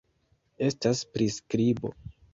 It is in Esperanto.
Estas priskribo